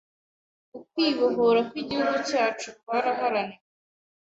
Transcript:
Ukwibohora kw’igihugu cyacu kwaraharaniwe